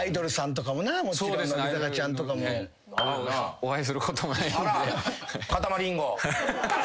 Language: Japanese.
お会いすることもないので。